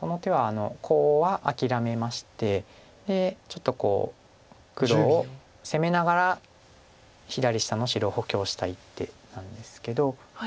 この手はコウは諦めましてでちょっと黒を攻めながら左下の白を補強した一手なんですけど。